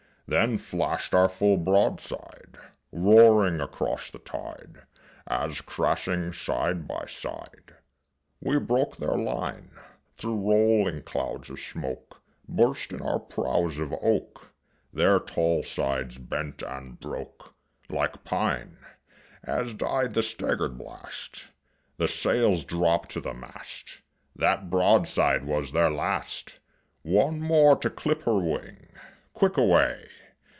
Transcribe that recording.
Then flash'd our full broadside, Roaring across the tide, As crashing side by side We broke their line; Thro' rolling clouds of smoke Burst in our prows of oak; Their tall sides bent and broke Like pine. As died the stagger'd blast The sails dropt to the mast; That broadside was their last! One more to clip her wing! Quick away!